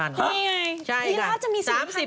มีไงยีราฟจะมีสินคันได้